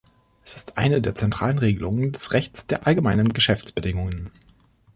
Es ist eine der zentralen Regelungen des Rechts der Allgemeinen Geschäftsbedingungen.